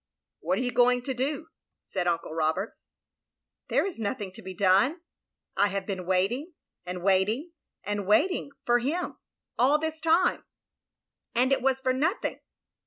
'' "What are you going to do?" said Uncle Roberts. "There is nothing to be done. I have been waiting, and waiting, and waiting — ^for him — all this time, and it was for nothing.